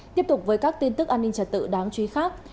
tiếp tục với các tin tức an ninh trả tự đáng truy khác